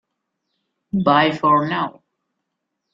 Bye for now!